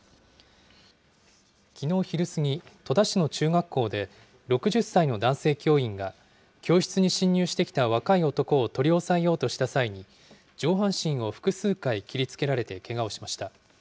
きのう昼過ぎ、戸田市の中学校で、６０歳の男性教員が、教室に侵入してきた若い男を取り押さえようとした際に、上半身を複数回切りつけられてけがをしました。